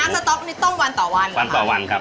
น้ำสต๊อกนี่ต้องวันต่อวันเหรอคะวันต่อวันครับ